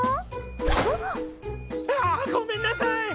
あっ！わごめんなさい！